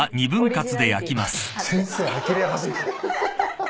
先生あきれ始め。